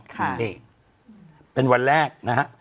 นี่เป็นวันแรกนะฮะ